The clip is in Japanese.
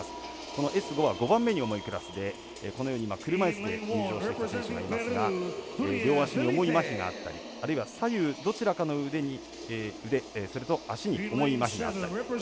このＳ５は５番目に重いクラスでこのように、車いすで入場してきた選手がいますが両足に重いまひがあったりあるいは左右どちらかの腕それと足に重いまひがあったり。